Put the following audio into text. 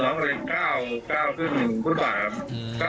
น้องก็เรียกด้านก้าวขึ้นหนึ่งหุ้นหว่างครับ